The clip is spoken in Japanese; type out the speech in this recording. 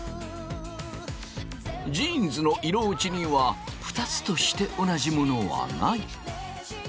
ジーンズの色落ちにはニつとして同じものはない。